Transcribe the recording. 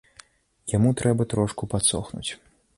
Яму трэба трошку падсохнуць.